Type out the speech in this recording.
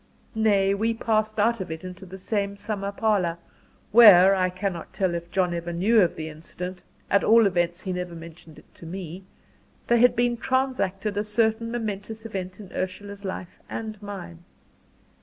Nay, we passed out of it into the same summer parlour, where I cannot tell if John ever knew of the incident, at all events he never mentioned it to me there had been transacted a certain momentous event in Ursula's life and mine.